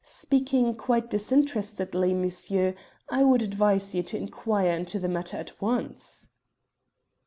Speaking quite disinterestedly, monsieur, I would advise you to inquire into the matter at once."